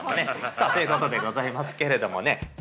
さあ、ということでございますけれどもね。